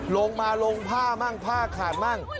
ลงมาลงผ้ามั่งผ้าขาดมั่ง